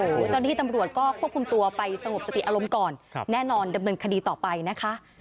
เจ้าหน้าที่ตำรวจก็ควบคุมตัวไปสงบสติอารมณ์ก่อนแน่นอนดำเนินคดีต่อไปนะคะ